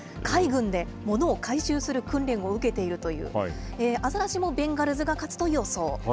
海軍で物を回収する訓練を受けているというアザラシもベンガルズが勝つと予想。